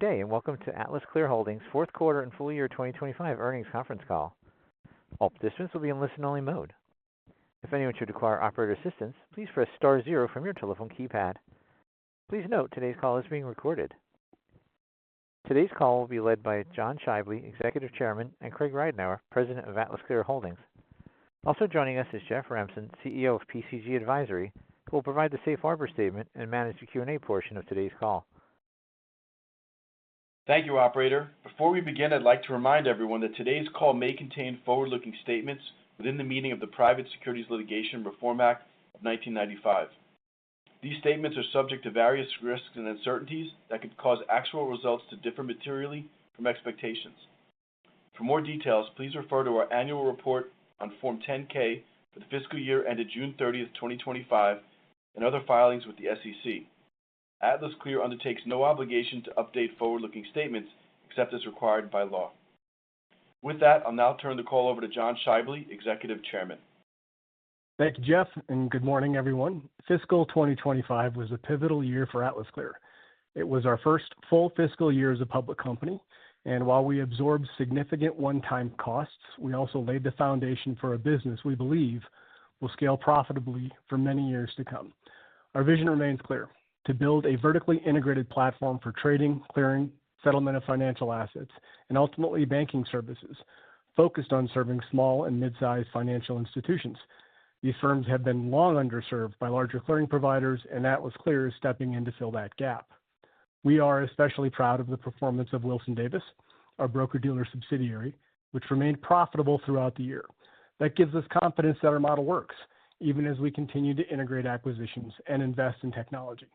Good day, and welcome to AtlasClear Holdings' Fourth Quarter and Full Year 2025 Earnings Conference Call. All participants will be in listen-only mode. If anyone should require operator assistance, please press star zero from your telephone keypad. Please note today's call is being recorded. Today's call will be led by John Schaible, Executive Chairman, and Craig Ridenhour, President of AtlasClear Holdings. Also joining us is Jeff Ramson, CEO of PCG Advisory, who will provide the safe harbor statement and manage the Q&A portion of today's call. Thank you, Operator. Before we begin, I'd like to remind everyone that today's call may contain forward-looking statements within the meaning of the Private Securities Litigation Reform Act of 1995. These statements are subject to various risks and uncertainties that could cause actual results to differ materially from expectations. For more details, please refer to our annual report on Form 10-K for the fiscal year ended June 30th, 2025, and other filings with the SEC. AtlasClear undertakes no obligation to update forward-looking statements except as required by law. With that, I'll now turn the call over to John Schaible, Executive Chairman. Thank you, Jeff, and good morning, everyone. Fiscal 2025 was a pivotal year for AtlasClear. It was our first full fiscal year as a public company, and while we absorbed significant one-time costs, we also laid the foundation for a business we believe will scale profitably for many years to come. Our vision remains clear: to build a vertically integrated platform for trading, clearing, settlement of financial assets, and ultimately banking services focused on serving small and mid-sized financial institutions. These firms have been long underserved by larger clearing providers, and AtlasClear is stepping in to fill that gap. We are especially proud of the performance of Wilson-Davis, our broker-dealer subsidiary, which remained profitable throughout the year. That gives us confidence that our model works, even as we continue to integrate acquisitions and invest in technology.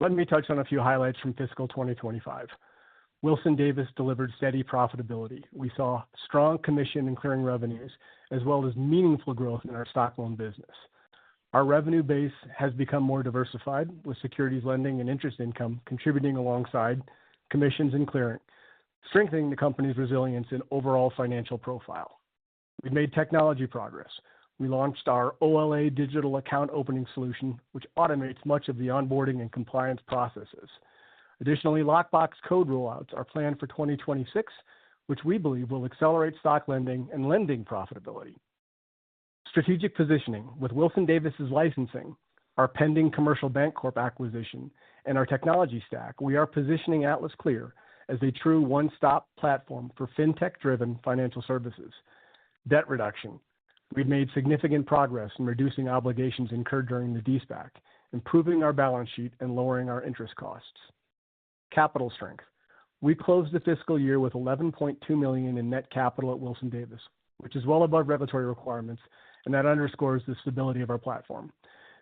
Let me touch on a few highlights from fiscal 2025. Wilson-Davis delivered steady profitability. We saw strong commission and clearing revenues, as well as meaningful growth in our stock loan business. Our revenue base has become more diversified, with securities lending and interest income contributing alongside commissions and clearing, strengthening the company's resilience and overall financial profile. We've made technology progress. We launched our DAO digital account opening solution, which automates much of the onboarding and compliance processes. Additionally, locate code rollouts are planned for 2026, which we believe will accelerate stock lending and lending profitability. Strategic positioning: with Wilson-Davis's licensing, our pending Commercial Bancorp acquisition, and our technology stack, we are positioning AtlasClear as a true one-stop platform for Fintech-driven financial services. Debt reduction: we've made significant progress in reducing obligations incurred during the, improving our balance sheet, and lowering our interest costs. Capital strength: We closed the fiscal year with $11.2 million in net capital at Wilson-Davis, which is well above regulatory requirements, and that underscores the stability of our platform.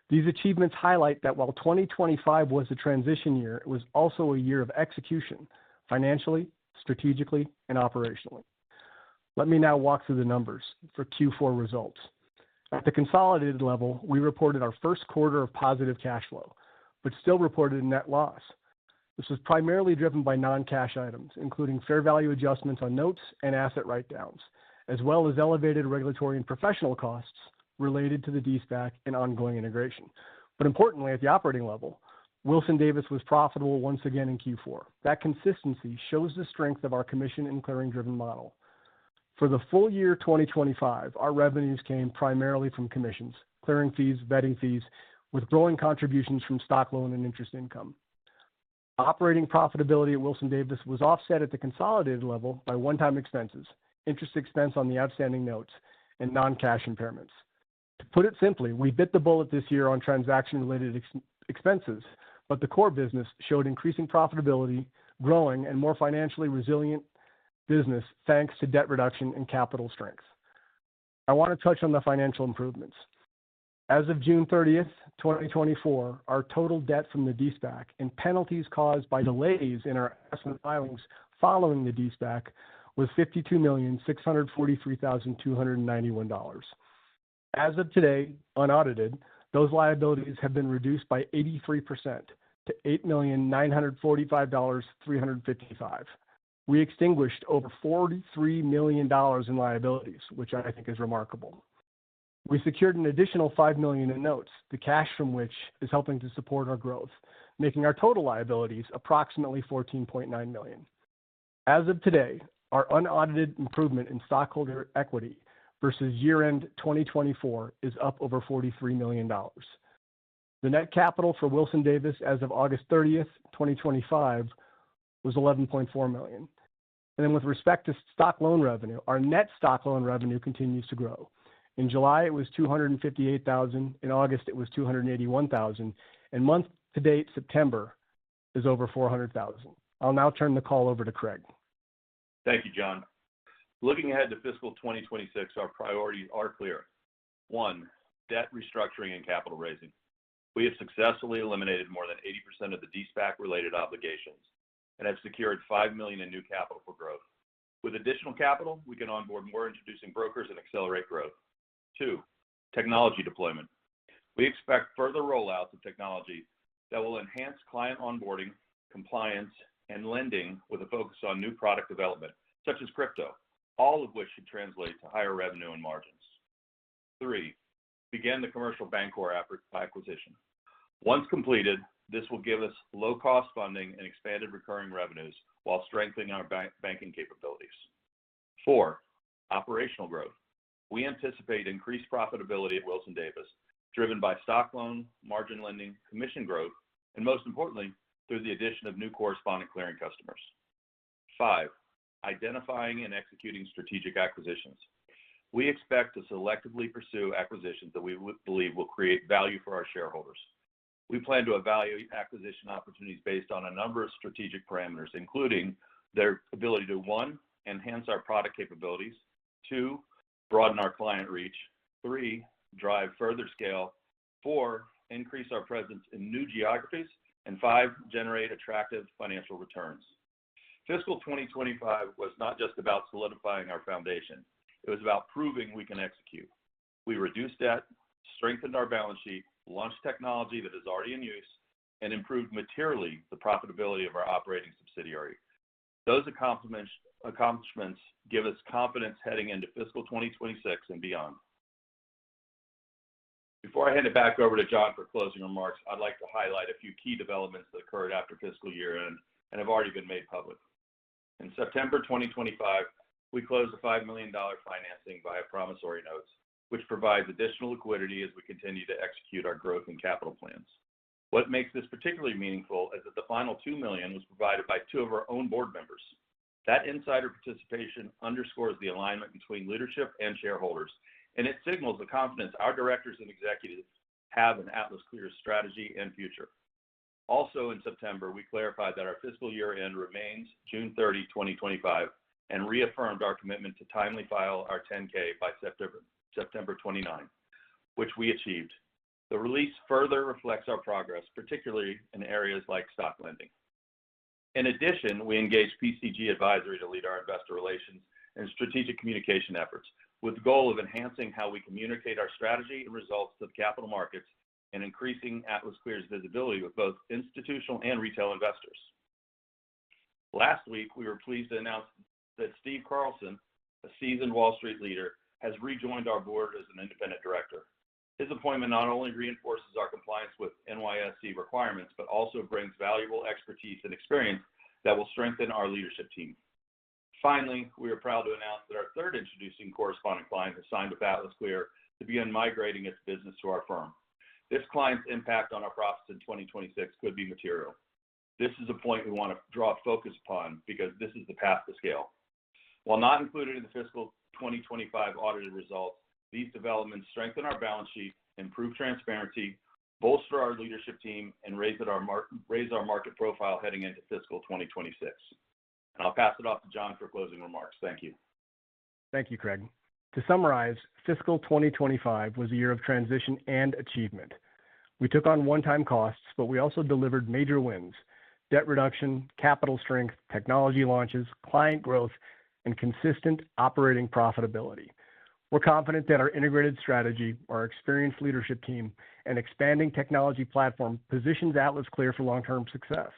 These achievements highlight that while 2025 was a transition year, it was also a year of execution financially, strategically, and operationally. Let me now walk through the numbers for Q4 results. At the consolidated level, we reported our first quarter of positive cash flow, but still reported a net loss. This was primarily driven by non-cash items, including fair value adjustments on notes and asset write-downs, as well as elevated regulatory and professional costs related to the de-SPAC and ongoing integration, but importantly, at the operating level, Wilson-Davis was profitable once again in Q4. That consistency shows the strength of our commission and clearing-driven model. For the full year 2025, our revenues came primarily from commissions, clearing fees, vetting fees, with growing contributions from stock loan and interest income. Operating profitability at Wilson-Davis was offset at the consolidated level by one-time expenses, interest expense on the outstanding notes, and non-cash impairments. To put it simply, we bit the bullet this year on transaction-related expenses, but the core business showed increasing profitability, growing, and more financially resilient business thanks to debt reduction and capital strength. I want to touch on the financial improvements. As of June 30th, 2024, our total debt from the de-SPAC and penalties caused by delays in our asset filings following the de-SPAC was $52,643,291. As of today, unaudited, those liabilities have been reduced by 83% to $8,945,355. We extinguished over $43 million in liabilities, which I think is remarkable. We secured an additional $5 million in notes, the cash from which is helping to support our growth, making our total liabilities approximately $14.9 million. As of today, our unaudited improvement in stockholder equity versus year-end 2024 is up over $43 million. The net capital for Wilson-Davis as of August 30th, 2025, was $11.4 million. And then with respect to stock loan revenue, our net stock loan revenue continues to grow. In July, it was $258,000. In August, it was $281,000. And month-to-date, September is over $400,000. I'll now turn the call over to Craig. Thank you, John. Looking ahead to fiscal 2026, our priorities are clear. One, debt restructuring and capital raising. We have successfully eliminated more than 80% of the de-SPAC-related obligations and have secured $5 million in new capital for growth. With additional capital, we can onboard more introducing brokers and accelerate growth. Two, technology deployment. We expect further rollouts of technology that will enhance client onboarding, compliance, and lending with a focus on new product development, such as crypto, all of which should translate to higher revenue and margins. Three, begin the Commercial Bancorp acquisition. Once completed, this will give us low-cost funding and expanded recurring revenues while strengthening our banking capabilities. Four, operational growth. We anticipate increased profitability at Wilson-Davis, driven by stock loan, margin lending, commission growth, and most importantly, through the addition of new correspondent clearing customers. Five, identifying and executing strategic acquisitions. We expect to selectively pursue acquisitions that we believe will create value for our shareholders. We plan to evaluate acquisition opportunities based on a number of strategic parameters, including their ability to, one, enhance our product capabilities, two, broaden our client reach, three, drive further scale, four, increase our presence in new geographies, and five, generate attractive financial returns. Fiscal 2025 was not just about solidifying our foundation. It was about proving we can execute. We reduced debt, strengthened our balance sheet, launched technology that is already in use, and improved materially the profitability of our operating subsidiary. Those accomplishments give us confidence heading into fiscal 2026 and beyond. Before I hand it back over to John for closing remarks, I'd like to highlight a few key developments that occurred after fiscal year-end and have already been made public. In September 2025, we closed the $5 million financing via promissory notes, which provides additional liquidity as we continue to execute our growth and capital plans. What makes this particularly meaningful is that the final $2 million was provided by two of our own board members. That insider participation underscores the alignment between leadership and shareholders, and it signals the confidence our directors and executives have in AtlasClear's strategy and future. Also, in September, we clarified that our fiscal year-end remains June 30, 2025, and reaffirmed our commitment to timely file our 10-K by September 29, which we achieved. The release further reflects our progress, particularly in areas like stock lending. In addition, we engaged PCG Advisory to lead our investor relations and strategic communication efforts, with the goal of enhancing how we communicate our strategy and results to the capital markets and increasing AtlasClear's visibility with both institutional and retail investors. Last week, we were pleased to announce that Steve Carlson, a seasoned Wall Street leader, has rejoined our board as an independent director. His appointment not only reinforces our compliance with NYSE requirements, but also brings valuable expertise and experience that will strengthen our leadership team. Finally, we are proud to announce that our third introducing correspondent client has signed with AtlasClear to begin migrating its business to our firm. This client's impact on our profits in 2026 could be material. This is a point we want to draw focus upon because this is the path to scale. While not included in the fiscal 2025 audited results, these developments strengthen our balance sheet, improve transparency, bolster our leadership team, and raise our market profile heading into fiscal 2026. And I'll pass it off to John for closing remarks. Thank you. Thank you, Craig. To summarize, fiscal 2025 was a year of transition and achievement. We took on one-time costs, but we also delivered major wins: debt reduction, capital strength, technology launches, client growth, and consistent operating profitability. We're confident that our integrated strategy, our experienced leadership team, and expanding technology platform position AtlasClear for long-term success.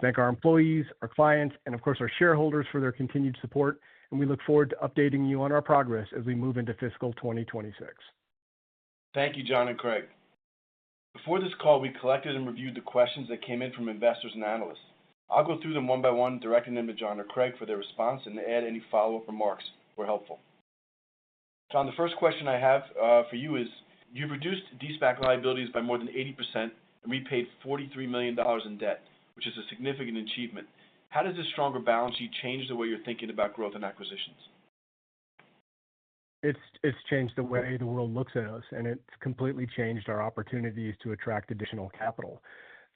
Thank our employees, our clients, and of course, our shareholders for their continued support, and we look forward to updating you on our progress as we move into fiscal 2026. Thank you, John and Craig. Before this call, we collected and reviewed the questions that came in from investors and analysts. I'll go through them one by one, directing them to John or Craig for their response and to add any follow-up remarks where helpful. John, the first question I have for you is, you've reduced de-SPAC liabilities by more than 80% and repaid $43 million in debt, which is a significant achievement. How does this stronger balance sheet change the way you're thinking about growth and acquisitions? It's changed the way the world looks at us, and it's completely changed our opportunities to attract additional capital.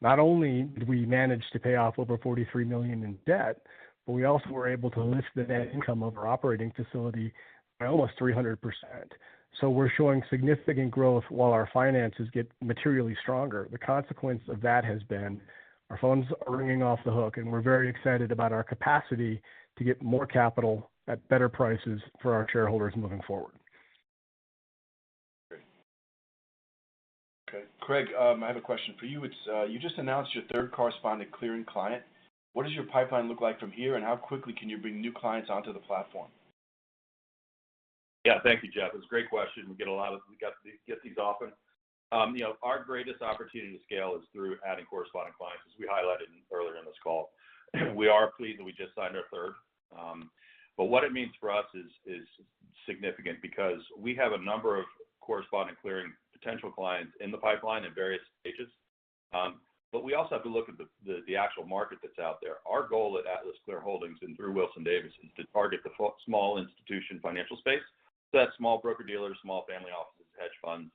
Not only did we manage to pay off over $43 million in debt, but we also were able to lift the net income of our operating facility by almost 300%. We're showing significant growth while our finances get materially stronger. The consequence of that has been our funds are ringing off the hook, and we're very excited about our capacity to get more capital at better prices for our shareholders moving forward. Great. Okay. Craig, I have a question for you. You just announced your third correspondent clearing client. What does your pipeline look like from here, and how quickly can you bring new clients onto the platform? Yeah, thank you, Jeff. It's a great question. We get a lot of these often. Our greatest opportunity to scale is through adding correspondent clients, as we highlighted earlier in this call. We are pleased that we just signed our third. But what it means for us is significant because we have a number of correspondent clearing potential clients in the pipeline at various stages. But we also have to look at the actual market that's out there. Our goal at AtlasClear Holdings and through Wilson-Davis is to target the small institution financial space. So that's small broker-dealers, small family offices, hedge funds.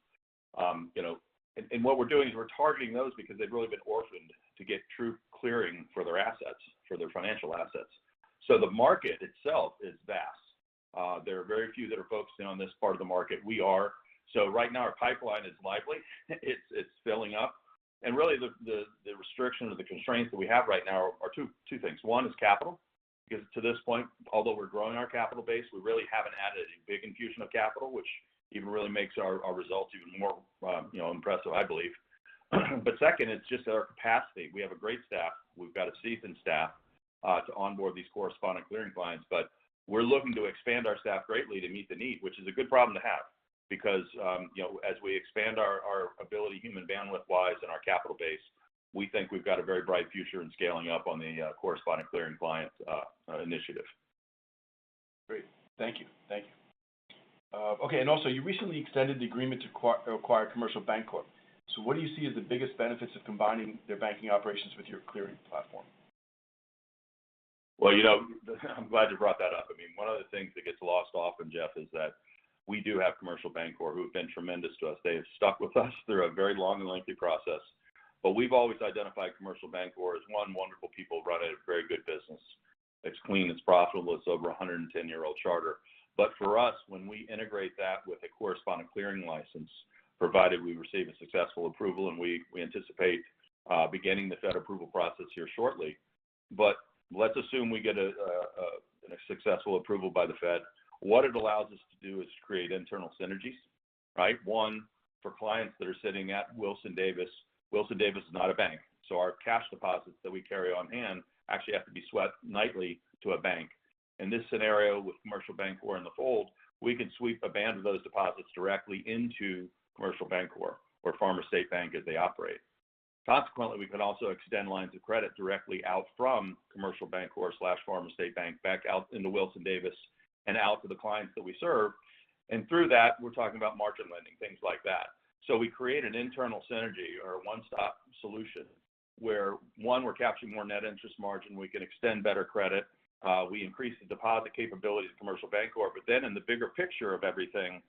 What we're doing is we're targeting those because they've really been orphaned to get true clearing for their assets, for their financial assets. The market itself is vast. There are very few that are focusing on this part of the market. We are. Right now, our pipeline is lively. It's filling up. And really, the restriction or the constraints that we have right now are two things. One is capital. Because to this point, although we're growing our capital base, we really haven't added a big infusion of capital, which even really makes our results even more impressive, I believe. Second, it's just our capacity. We have a great staff. We've got a seasoned staff to onboard these correspondent clearing clients. But we're looking to expand our staff greatly to meet the need, which is a good problem to have. Because as we expand our ability human bandwidth-wise and our capital base, we think we've got a very bright future in scaling up on the correspondent clearing client initiative. Great. Thank you. Thank you. Okay. And also, you recently extended the agreement to acquire Commercial Bancorp. So what do you see as the biggest benefits of combining their banking operations with your clearing platform? Well, I'm glad you brought that up. I mean, one of the things that gets lost often, Jeff, is that we do have Commercial Bancorp who have been tremendous to us. They have stuck with us through a very long and lengthy process. But we've always identified Commercial Bancorp as, one, wonderful people running a very good business. It's clean. It's profitable. It's over a 110-year-old charter. But for us, when we integrate that with a correspondent clearing license, provided we receive a successful approval, and we anticipate beginning the Fed approval process here shortly, but let's assume we get a successful approval by the Fed, what it allows us to do is create internal synergies, right? One, for clients that are sitting at Wilson-Davis, Wilson-Davis is not a bank. So our cash deposits that we carry on hand actually have to be swept nightly to a bank. In this scenario with Commercial Bancorp in the fold, we can sweep a band of those deposits directly into Commercial Bancorp or Farmers State Bank as they operate. Consequently, we can also extend lines of credit directly out from Commercial Bancorp / Farmers State Bank back out into Wilson-Davis and out to the clients that we serve. And through that, we're talking about margin lending, things like that. So we create an internal synergy or a one-stop solution where, one, we're capturing more net interest margin. We can extend better credit. We increase the deposit capability of Commercial Bancorp. But then in the bigger picture of everything,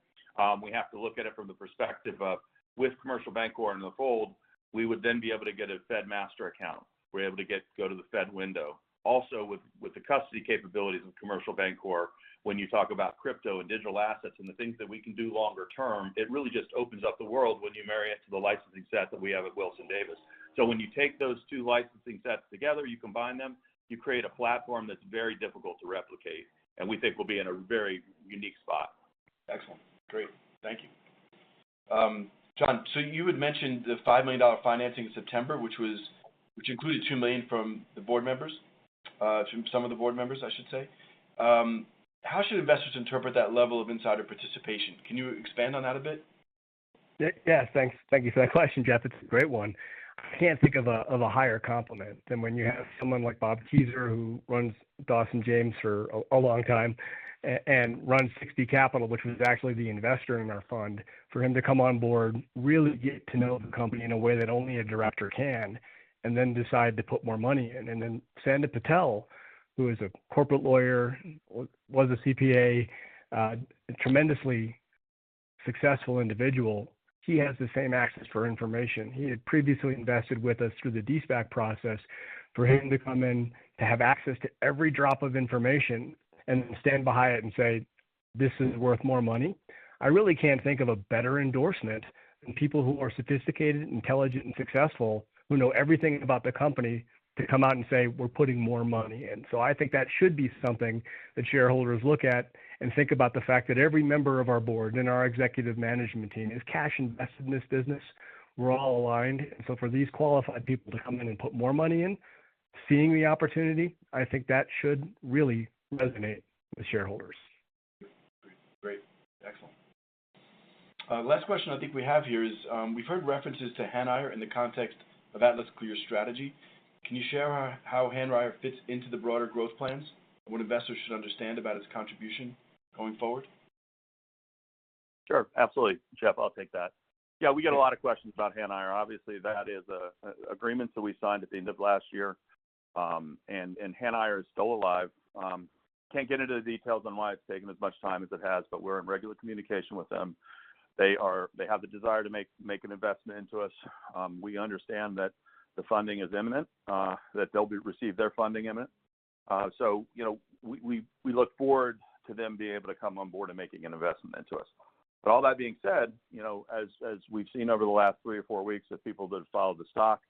we have to look at it from the perspective of, with Commercial Bancorp in the fold, we would then be able to get a Fed Master Account. We're able to go to the Fed window. Also, with the custody capabilities of Commercial Bancorp, when you talk about crypto and digital assets and the things that we can do longer term, it really just opens up the world when you marry it to the licensing set that we have at Wilson-Davis. So when you take those two licensing sets together, you combine them, you create a platform that's very difficult to replicate, and we think we'll be in a very unique spot. Excellent. Great. Thank you. John, so you had mentioned the $5 million financing in September, which included $2 million from the board members, from some of the board members, I should say. How should investors interpret that level of insider participation? Can you expand on that a bit? Yeah. Thank you for that question, Jeff. It's a great one. I can't think of a higher compliment than when you have someone like Bob Keyser, who runs Dawson James for a long time and runs Sixty Degree Capital, which was actually the investor in our fund, for him to come on board, really get to know the company in a way that only a director can, and then decide to put more money in. And then Sanjay Patel, who is a corporate lawyer, was a CPA, a tremendously successful individual. He has the same access for information. He had previously invested with us through the de-SPAC process for him to come in, to have access to every drop of information, and then stand behind it and say, "This is worth more money." I really can't think of a better endorsement than people who are sophisticated, intelligent, and successful, who know everything about the company, to come out and say, "We're putting more money in." So I think that should be something that shareholders look at and think about the fact that every member of our board and our executive management team is cash invested in this business. We're all aligned. And so for these qualified people to come in and put more money in, seeing the opportunity, I think that should really resonate with shareholders. Great. Excellent. Last question I think we have here is, we've heard references to Hanire in the context of AtlasClear's strategy. Can you share how Hanire fits into the broader growth plans? What investors should understand about its contribution going forward? Sure. Absolutely. Jeff, I'll take that. Yeah. We get a lot of questions about Hanire. Obviously, that is an agreement that we signed at the end of last year, and Hanire is still alive. Can't get into the details on why it's taken as much time as it has, but we're in regular communication with them. They have the desire to make an investment into us. We understand that the funding is imminent, that they'll receive their funding imminent, so we look forward to them being able to come on board and making an investment into us, but all that being said, as we've seen over the last three or four weeks, as people that have followed the stock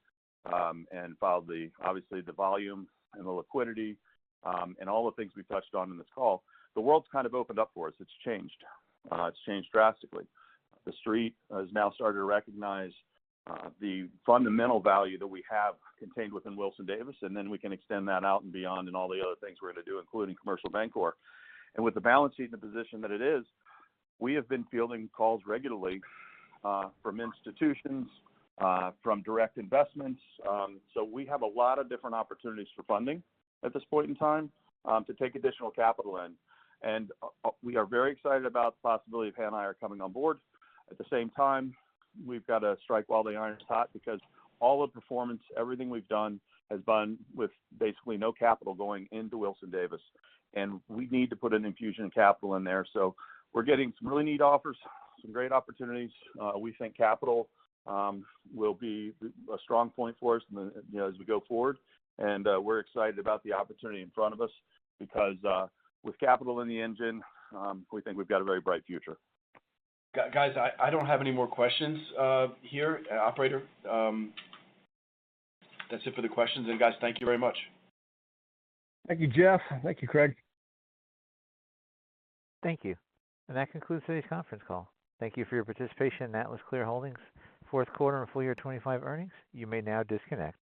and followed, obviously, the volume and the liquidity and all the things we've touched on in this call, the world's kind of opened up for us. It's changed. It's changed drastically. The Street has now started to recognize the fundamental value that we have contained within Wilson-Davis, and then we can extend that out and beyond and all the other things we're going to do, including Commercial Bancorp, and with the balance sheet in the position that it is, we have been fielding calls regularly from institutions, from direct investments, so we have a lot of different opportunities for funding at this point in time to take additional capital in, and we are very excited about the possibility of Hanire coming on board. At the same time, we've got to strike while the iron's hot because all the performance, everything we've done has been with basically no capital going into Wilson-Davis, and we need to put an infusion of capital in there, so we're getting some really neat offers, some great opportunities. We think capital will be a strong point for us as we go forward. We're excited about the opportunity in front of us because with capital in the engine, we think we've got a very bright future. Guys, I don't have any more questions here, operator. That's it for the questions. And guys, thank you very much. Thank you, Jeff. Thank you, Craig. Thank you. And that concludes today's conference call. Thank you for your participation in AtlasClear Holdings' Fourth Quarter and Full Year 2025 Earnings. You may now disconnect.